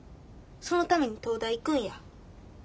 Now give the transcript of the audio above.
そのために東大行くんや。